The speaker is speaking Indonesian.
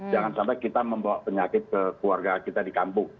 jangan sampai kita membawa penyakit ke keluarga kita di kampung